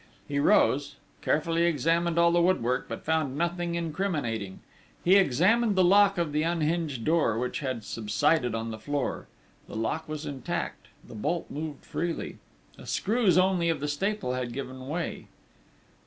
He rose, carefully examined all the woodwork, but found nothing incriminating. He examined the lock of the unhinged door, which had subsided on the floor. The lock was intact, the bolt moved freely: the screws only of the staple had given way.